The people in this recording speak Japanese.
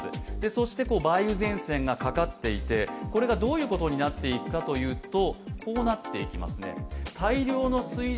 そして梅雨前線がかかっていてこれがどういうことになっていくかというとこうなっていきますね。